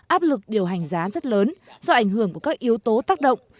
áp lực điều hành giá rất lớn do ảnh hưởng của các yếu tố tác động